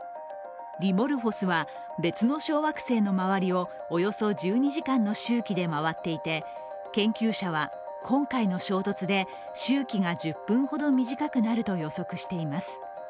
ディモルフォスは別の小惑星の周りをおよそ１２時間の周期で回っていて研究者は、今回の衝突で周期が１０分ほど短くなると予測しています。